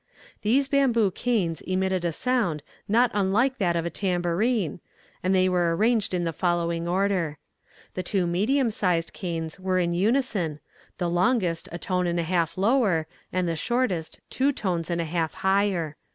These bamboo canes emitted a sound not unlike that of a tambourine, and they were arranged in the following order. The two medium sized canes were in unison, the longest a tone and a half lower, and the shortest two tones and a half higher.